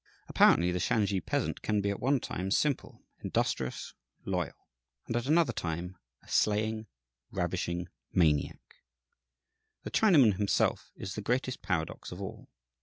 Apparently, the Shansi peasant can be at one time simple, industrious, loyal, and at another time a slaying, ravishing maniac. The Chinaman himself is the greatest paradox of all.